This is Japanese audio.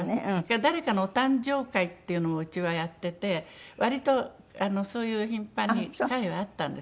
誰かのお誕生会っていうのもうちはやってて割とそういう頻繁に機会はあったんです。